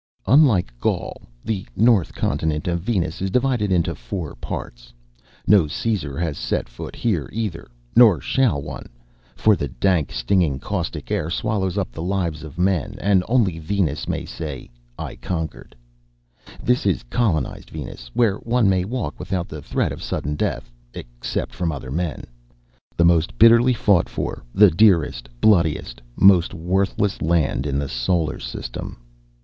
Unlike Gaul, the north continent of Venus is divided into four parts. No Caesar has set foot here either, nor shall one for the dank, stinging, caustic air swallows up the lives of men and only Venus may say, I conquered. This is colonized Venus, where one may walk without the threat of sudden death except from other men the most bitterly fought for, the dearest, bloodiest, most worthless land in the solar system.